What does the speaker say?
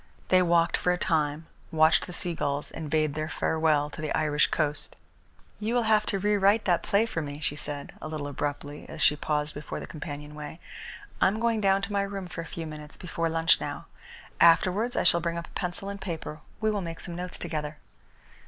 They walked for a time, watched the seagulls, and bade their farewell to the Irish coast. "You will have to re write that play for me," she said, a little abruptly, as she paused before the companionway. "I am going down to my room for a few minutes before lunch now. Afterwards I shall bring up a pencil and paper. We will make some notes together."